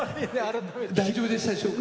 大丈夫でしたでしょうか？